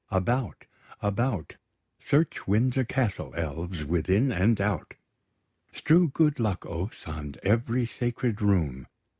About, about; Search Windsor Castle, elves, within and out: Strew good luck, ouphes, on every sacred room!